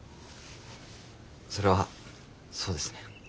それはそうですね。